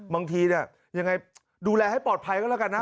บางทีเนี่ยยังไงดูแลให้ปลอดภัยก็แล้วกันนะ